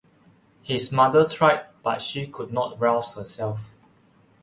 His mother tried, but she could not rouse herself.